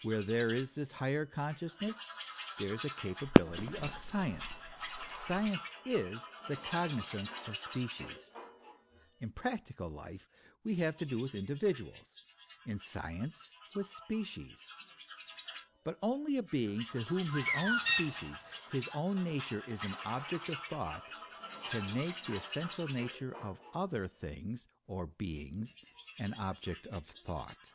Where there is this higher consciousness there is a capability of science. Science is the cognizance of species. In practical life we have to do with individuals ; in science, with species. But only a being to B 2 THE ESSENCE OF CHRISTIANITY. whom his own species, his own nature, is an object of thought, can make the essential nature of other things or beings an object of thought.